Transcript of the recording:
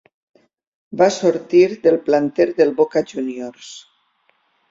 Va sortir del planter del Boca Juniors.